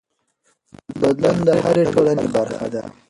بدلون د هرې ټولنې برخه ده.